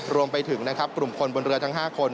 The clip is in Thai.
รวมไปถึงกลุ่มคนบนเรือทั้ง๕คน